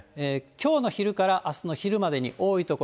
きょうの昼からあすの昼までに多い所。